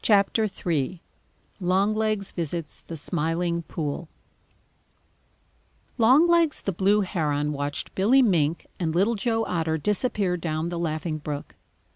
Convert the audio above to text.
] III LONGLEGS VISITS THE SMILING POOL Longlegs the Blue Heron watched Billy Mink and Little Joe Otter disappear down the Laughing Brook.